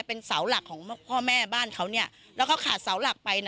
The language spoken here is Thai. เป็นเสาหลักของพ่อแม่บ้านเขาเนี่ยแล้วเขาขาดเสาหลักไปนะ